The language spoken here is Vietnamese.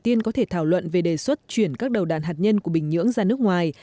tiên có thể thảo luận về đề xuất chuyển các đầu đạn hạt nhân của bình nhưỡng ra nước ngoài